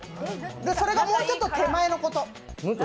それがもうちょっと手前のこと。